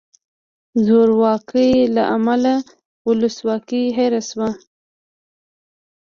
زورواکۍ له امله ولسواکي هیره شوه.